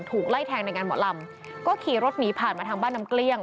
ถูกไล่แทงในงานหมอลำก็ขี่รถหนีผ่านมาทางบ้านน้ำเกลี้ยง